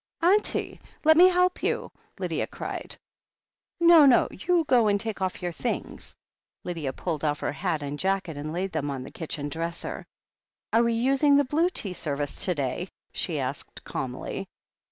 "Auntie ! let me help you," Lydia cried. "No, no. You go and take off your things." Lydia pulled off her hat and jacket and laid them on the kitchen dresser. "Are we using the blue tea service to day?" she asked calmly.